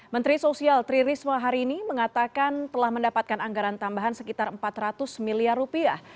menteri sosial tri risma hari ini mengatakan telah mendapatkan anggaran tambahan sekitar empat ratus miliar rupiah